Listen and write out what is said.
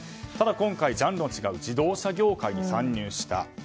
ただ、今回ジャンルの違う自動車業界に参入した。